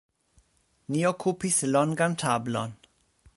Ni okupis longan tablon.